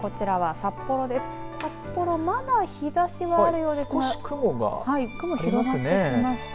札幌、まだ日ざしはあるようですが少し雲が広がってきました。